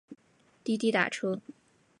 滴滴打车